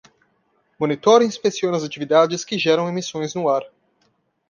Monitore e inspecione as atividades que geram emissões no ar.